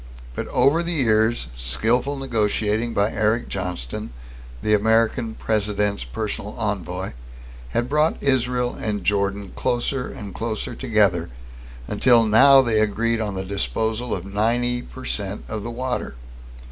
But over the years, skillful negotiating by Eric Johnston, the American President's personal envoy, had brought Israel and Jordan closer and closer together until now they agreed on the disposal of ninety per cent of the water.